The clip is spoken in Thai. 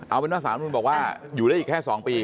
เอาเป็นว่าสารธรรมนุนบอกว่าอยู่ได้อีกแค่๒ปี